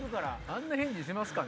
あんな返事しますか？